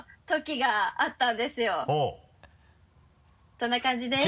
そんな感じです。